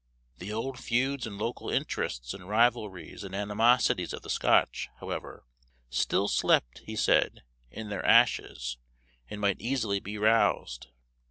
The old feuds and local interests, and rivalries, and animosities of the Scotch, however, still slept, he said, in their ashes, and might easily be roused.